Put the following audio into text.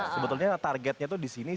sebetulnya targetnya itu disini